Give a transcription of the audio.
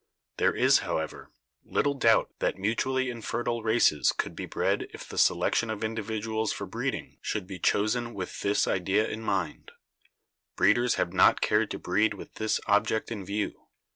There is, however, little doubt that mutually infertile races could be bred if the selection of individuals for breeding should be chosen with EVIDENCES OF ORGANIC EVOLUTION 179 this idea in mind. Breeders have not cared to breed with this object in view.